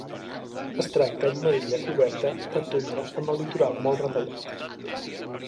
Es tracta d'una illa coberta de tundra amb el litoral molt retallat.